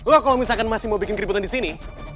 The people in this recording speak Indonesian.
lo kalau misalkan masih mau bikin keributan disini